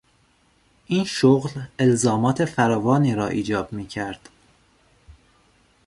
این شغل الزامات فراوانی را ایجاب میکرد.